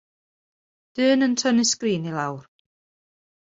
Dyn yn tynnu sgrin i lawr.